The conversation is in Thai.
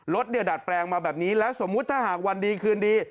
รถเนี่ยดัดแปลงมาแบบนี้แล้วสมมุติถ้าหากวันดีคืนดี